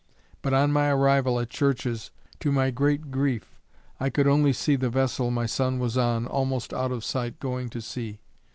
But on my arrival at Church's, to my great grief, I could only see the vessel my son was on almost out of sight going to sea.